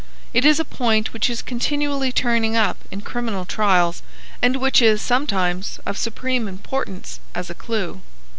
It is a point which is continually turning up in criminal trials, and which is sometimes of supreme importance as a clue.